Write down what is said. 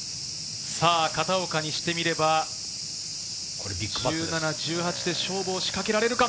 片岡にしてみれば、１７、１８で勝負を仕掛けられるか？